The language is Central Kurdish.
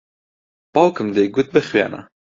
باوکم دەیگوت بخوێنە.